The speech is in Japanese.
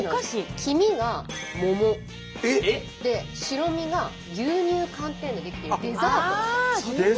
黄身が桃で白身が牛乳寒天で出来ているデザートです。